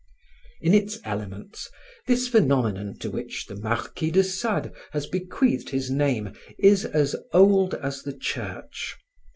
In its elements, this phenomenon to which the Marquis de Sade has bequeathed his name is as old as the Church.